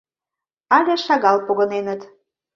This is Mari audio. Але шагал погыненыт.